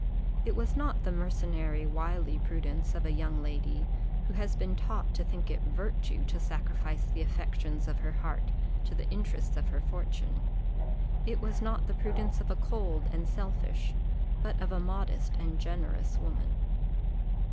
It was not the mercenary wily prudence of a young lady, who has been taught to think it virtue to sacrifice the affections of her heart to the interests of her fortune it was not the prudence of a cold and selfish, but of a modest and generous woman.